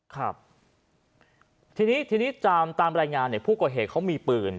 ครับทีนี้ตามรายงานผู้ก่อเหตุเขามีปืน